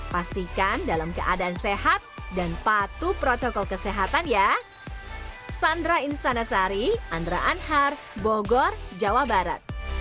pastikan dalam keadaan sehat dan patuh protokol kesehatan ya